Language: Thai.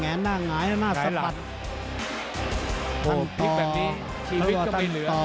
โอ้โหโอ้โหโอ้โหโอ้โห